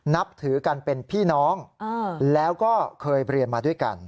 นับถือกันเป็นพี่น้องแล้วก็เคยเรียนมาด้วยกัน